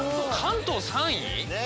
関東３位！？